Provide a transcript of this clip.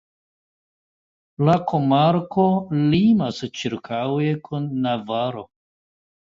La komarko limas ĉirkaŭe kun Navaro.